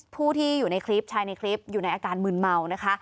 ผู้ที่อยู่ในคลิปชายในคลิปอยู่ในอาการมืนเมานะคะ